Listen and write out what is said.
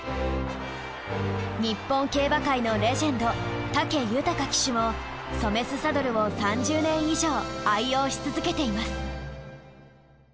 日本競馬界のレジェンド武豊騎手もソメスサドルを３０年以上愛用し続けています。